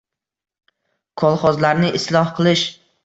— kolxozlarni isloh qilish.